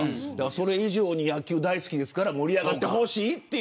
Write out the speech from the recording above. それ以上に野球が大好きですから盛り上がってほしいと。